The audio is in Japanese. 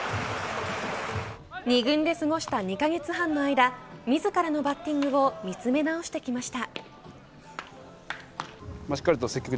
２軍ですごした２カ月半の間自らのバッティングを見つめ直してきました。